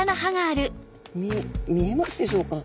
み見えますでしょうか？